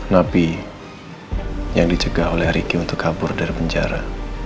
nabi yang dicegah oleh ricky untuk kabur dari penjara